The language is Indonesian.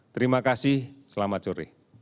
terima kasih selamat sore